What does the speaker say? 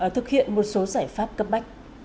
thực hiện một số giải pháp cấp bách